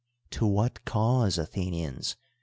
To what cause, Athenians